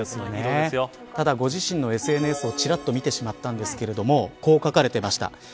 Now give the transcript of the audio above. ただ、ご自身のＳＮＳをちらっと見てしまったんですがこう書かれていました。